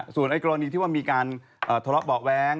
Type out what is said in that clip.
ส่วนกรณีที่ว่ามีการทะเลาะเบาะแว้ง